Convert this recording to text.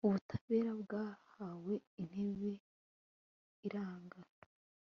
ubutabera bwahawe intebe iraganje